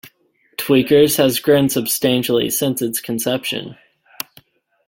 Tweakers has grown substantially since its conception.